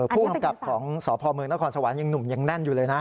ผู้กำกับของสพเมืองนครสวรรค์ยังหนุ่มยังแน่นอยู่เลยนะ